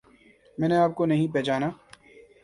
میں نے آپ کو نہیں پہچانا